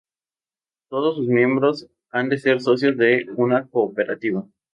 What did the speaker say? Todos sus miembros han de ser socios de una cooperativa.